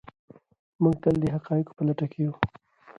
موږ تل د حقایقو په لټه کې یو.